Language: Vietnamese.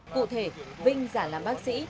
cụ thể vinh giả làm bác sĩ